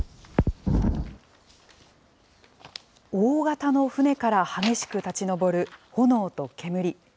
大型の船から激しく立ち上る炎と煙。